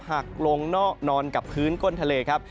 หักลงนอนกับพื้นก้นทะเลครับ